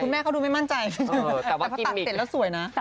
แต่คุณแม่เขาดูไม่มั่นใจเออแต่ว่ากิมมิกแต่ถ้าตัดเสร็จแล้วสวยนะ